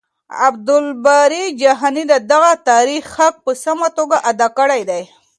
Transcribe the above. عبدالباري جهاني د دغه تاريخ حق په سمه توګه ادا کړی دی.